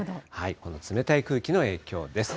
この冷たい空気の影響です。